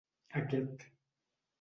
Aquest